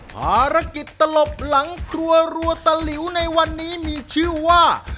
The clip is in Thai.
ภารกิจตลบหลังครัวรัวตะหลิวในวันนี้มีชื่อว่า